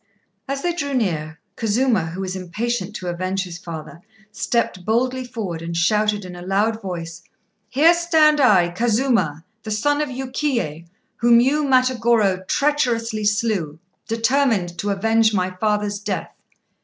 As they drew near, Kazuma, who was impatient to avenge his father, stepped boldly forward and shouted in a loud voice "Here stand I, Kazuma, the son of Yukiyé, whom you, Matagorô, treacherously slew, determined to avenge my father's death.